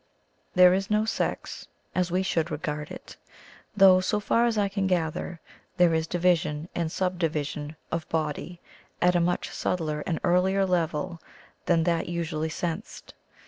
There is no sex, as we should regard it, though, so far as I can gather, there is division and sub division of 'body' at a much subtler and earlier level than that usually sensed.